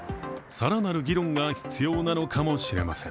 更なる議論が必要なのかもしれません。